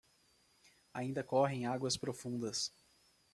Ainda correm águas profundas